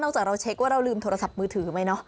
นอกจากเราเช็กว่าเราลืมโทรศัพท์มือถือไหม